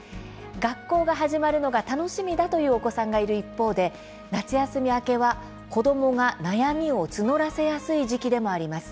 学校が始まるのが楽しみだというお子さんがいる一方で夏休み明けは、子どもが悩みを募らせやすい時期でもあります。